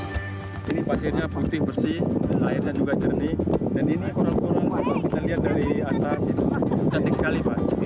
ini pasirnya putih bersih airnya juga jernih dan ini korang korang yang kita lihat dari atas itu cantik sekali